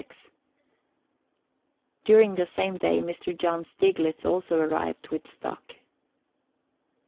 During the same day Mr. John Steiglitz also arrived with stock.